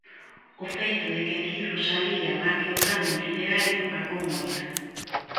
O feito de que aquí Rosalía marque o canon literario marcou moito.